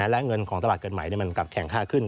และเงินของตลาดเกิดใหม่มันกลับแข่งค่าขึ้น